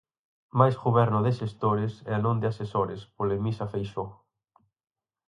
Máis goberno de xestores, e non de asesores, polemiza Feixóo.